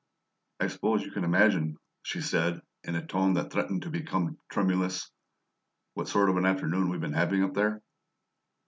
"I suppose you can imagine," she said, in a tone that threatened to become tremulous, "what sort of an afternoon we've been having up there?"